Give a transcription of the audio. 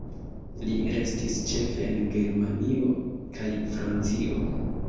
Li restis ĉefe en Germanio kaj Francio.